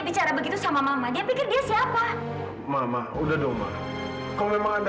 bicara begitu sama mama dia pikir dia siapa mama udah dong kalau memang ada